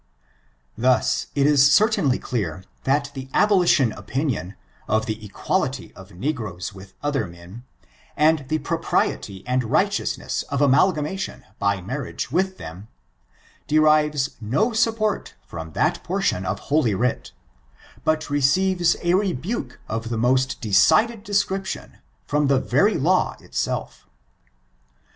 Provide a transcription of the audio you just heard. Thus it B ceitainly clear, that the abolition opinion, dr the equality of negroes with other men, and the pvopriety and righteousness of amalgamation by mar riage with them derives no support from that portion of Hdy Writ, but receives a rebuke of the most dc dded description from the very law itself.